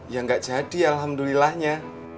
ya gak jadi alhamdulillahnya